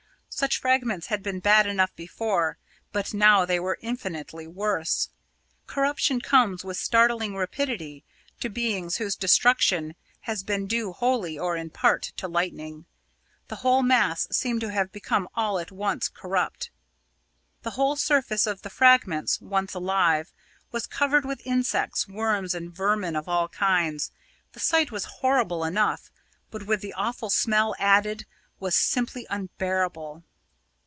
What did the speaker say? Such fragments had been bad enough before, but now they were infinitely worse. Corruption comes with startling rapidity to beings whose destruction has been due wholly or in part to lightning the whole mass seemed to have become all at once corrupt! The whole surface of the fragments, once alive, was covered with insects, worms, and vermin of all kinds. The sight was horrible enough, but, with the awful smell added, was simply unbearable.